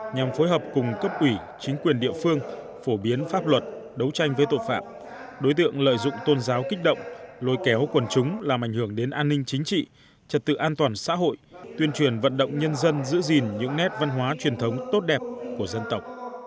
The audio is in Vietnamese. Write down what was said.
nhằm phối hợp cùng cấp ủy chính quyền địa phương phổ biến pháp luật đấu tranh với tội phạm đối tượng lợi dụng tôn giáo kích động lôi kéo quần chúng làm ảnh hưởng đến an ninh chính trị trật tự an toàn xã hội tuyên truyền vận động nhân dân giữ gìn những nét văn hóa truyền thống tốt đẹp của dân tộc